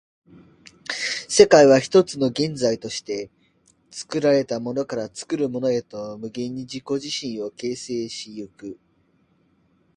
世界は一つの現在として、作られたものから作るものへと無限に自己自身を形成し行く。